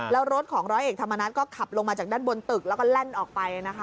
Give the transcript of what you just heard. แล้วรถของร้อยเอกธรรมนัฐก็ขับลงมาจากด้านบนตึกแล้วก็แล่นออกไปนะคะ